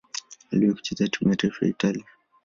Aliwahi kucheza timu ya taifa ya Italia.